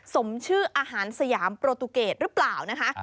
สมชื่ออาหารสยามโปรตูเกตหรือเปล่านะคะ